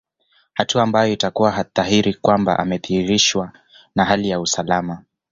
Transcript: Hatua ambayo itakuwa dhahiri kwamba ameridhishwa na hali ya usalama